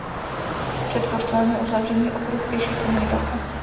Před kostelem je uzavřený okruh pěší komunikace.